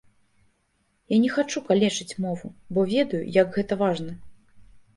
Я не хачу калечыць мову, бо ведаю, як гэта важна.